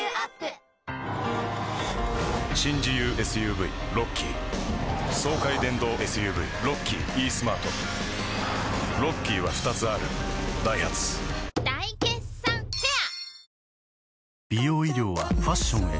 新自由ＳＵＶロッキー爽快電動ＳＵＶロッキーイースマートロッキーは２つあるダイハツ大決算フェア